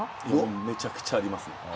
めちゃくちゃあります